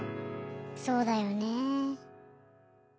そうだよね。